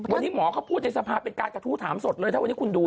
วันนี้หมอเขาพูดในสภาเป็นการกระทู้ถามสดเลยถ้าวันนี้คุณดู